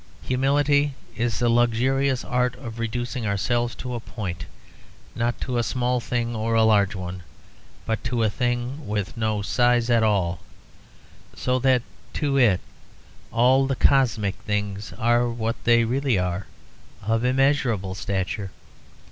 Humility is the luxurious art of reducing ourselves to a point, not to a small thing or a large one, but to a thing with no size at all, so that to it all the cosmic things are what they really are of immeasurable stature.